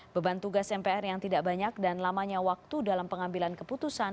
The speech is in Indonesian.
beban tugas mpr yang tidak banyak dan lamanya waktu dalam pengambilan keputusan